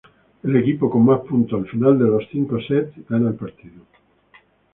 El equipo con más puntos al final de los cinco sets gana el partido.